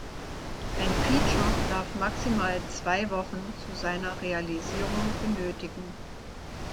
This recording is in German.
Ein Feature darf maximal zwei Wochen zu seiner Realisierung benötigen.